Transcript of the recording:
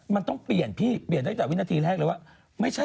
มันต้องเปลี่ยนด้วยแวะ